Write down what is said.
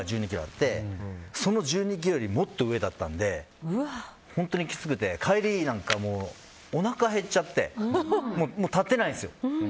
その１２ｋｍよりもっと上だったので本当にきつくて、帰りなんておなかが減っちゃってもう立てないんですよ。